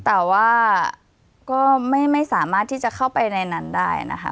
แต่ว่าก็ไม่สามารถที่จะเข้าไปในนั้นได้นะคะ